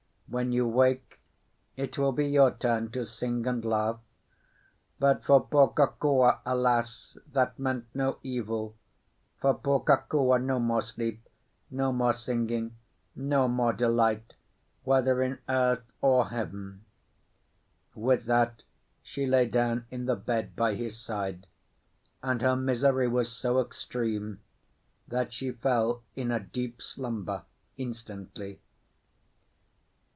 When you wake it will be your turn to sing and laugh. But for poor Kokua, alas! that meant no evil—for poor Kokua no more sleep, no more singing, no more delight, whether in earth or heaven." With that she lay down in the bed by his side, and her misery was so extreme that she fell in a deep slumber instantly.